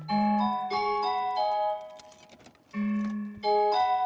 irwan kali oriharer